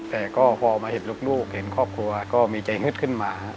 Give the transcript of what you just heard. แต่ก็พอมาเห็นลูกเห็นครอบครัวก็มีใจฮึดขึ้นมา